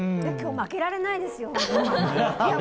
今日、負けられないですよ。